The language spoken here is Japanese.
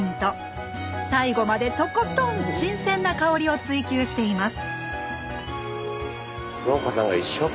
最後までとことん新鮮な香りを追求しています